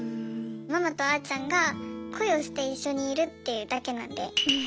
ママとあーちゃんが恋をして一緒にいるっていうだけなんで。